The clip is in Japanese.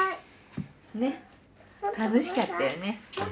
ねっ楽しかったよね。